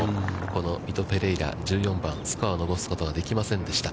このミト・ペレイラ、１４番、スコアを伸ばすことはできませんでした。